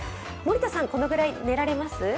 森田さん、このぐらい寝られます？